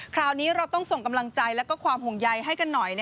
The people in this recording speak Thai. คราวนี้เราต้องส่งกำลังใจและความห่วงใยให้กันหน่อย